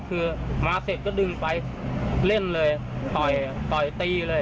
คือมาเสร็จก็ดึงไปเล่นเลยต่อยต่อยตีเลย